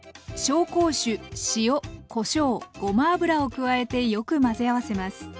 紹興酒塩・こしょうごま油を加えてよく混ぜ合わせます。